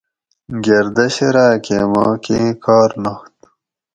گردش راۤکہ ما کی کار نات